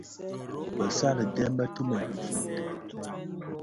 Bësali dèm bëtumèn kifuuti.